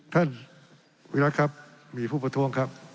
ท่านวิรัติครับมีผู้ประท้วงครับ